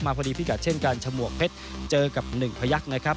พอดีพิกัดเช่นกันฉมวกเพชรเจอกับหนึ่งพยักษ์นะครับ